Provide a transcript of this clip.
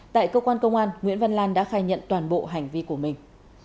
tại cơ quan công an nguyễn văn lan đã khai nhận toàn bộ hành vi của mình